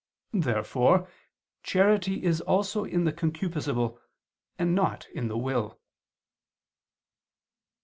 Therefore charity is also in the concupiscible and not in the will.